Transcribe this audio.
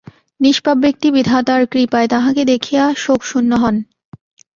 নিষ্পাপ ব্যক্তি বিধাতার কৃপায় তাঁহাকে দেখিয়া শোকশূন্য হন।